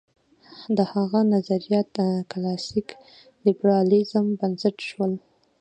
د هغه نظریات کلاسیک لېبرالېزم بنسټ شول.